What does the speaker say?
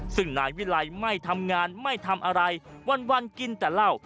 ซึ่งนายวิไลไม่ทำงานไม่ทำอะไรวันกินแต่เหล้า